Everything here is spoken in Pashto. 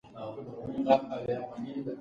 د دې ویاړ ساتنه پکار ده.